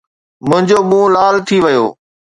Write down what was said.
منهنجو منهن لال ٿي ويو